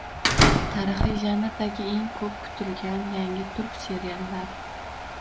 Tarixiy janrdagi eng ko‘p kutilgan yangi turk seriallari